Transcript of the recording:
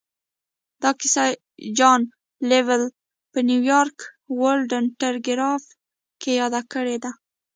دا کيسه جان لويل په نيويارک ورلډ ټيليګراف کې ياده کړې ده.